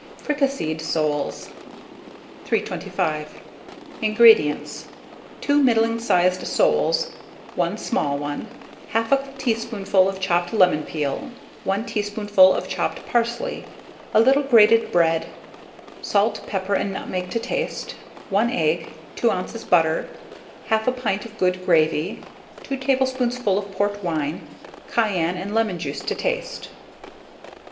FRICASSEED SOLES. 325. INGREDIENTS. 2 middling sized soles, 1 small one, 1/2 teaspoonful of chopped lemon peel, 1 teaspoonful of chopped parsley, a little grated bread; salt, pepper, and nutmeg to taste; 1 egg, 2 oz. butter, 1/2 pint of good gravy, 2 tablespoonfuls of port wine, cayenne and lemon juice to taste.